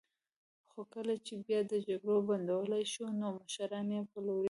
خو کله چې بیا د جګړې د بندولو شي، نو مشران یې پلوري.